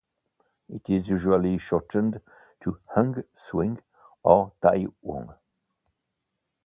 It is usually shortened to Hung Shing or Tai Wong.